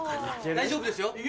大丈夫ですよ。